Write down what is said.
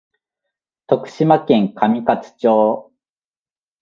徳島県上勝町